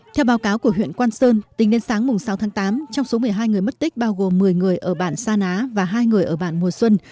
theo báo cáo của huyện quang sơn tính đến sáng sáu tháng tám trong số một mươi hai người mất tích bao gồm một mươi người ở bản sa ná và hai người ở bản mùa xuân